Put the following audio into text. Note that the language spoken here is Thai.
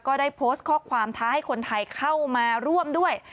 ก็ได้โพสต์ข้อความท้าให้คนไทยเข้ามาร่วมด้วย